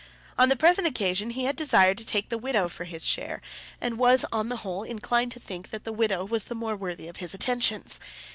On the present occasion he had desired to take the widow for his share, and was, upon the whole, inclined to think that the widow was the more worthy of his attentions.